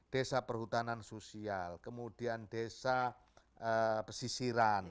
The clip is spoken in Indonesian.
desa perhutanan sosial kemudian desa pesisiran